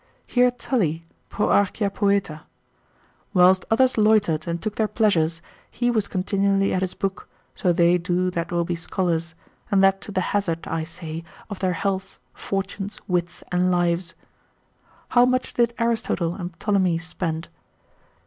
Hear Tully pro Archia Poeta: whilst others loitered, and took their pleasures, he was continually at his book, so they do that will be scholars, and that to the hazard (I say) of their healths, fortunes, wits, and lives. How much did Aristotle and Ptolemy spend?